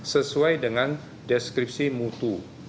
sesuai dengan deskripsi mutu